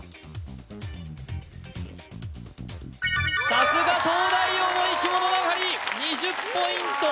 さすが東大王の生き物係２０ポイント